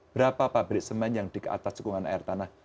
berapa pabrik semen yang di atas cekungan air tanah